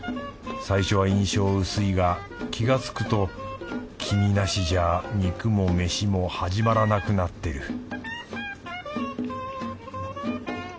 最初は印象薄いが気がつくと君なしじゃ肉も飯も始まらなくなってる